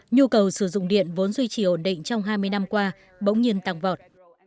nhu cầu sử dụng điện vốn duy trì ổn định trong hai mươi năm qua bỗng nhiên tăng vọt